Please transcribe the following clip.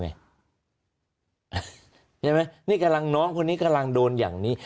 ใช่ไหมนี่กำลังน้องคนนี้กำลังโดนอย่างนี้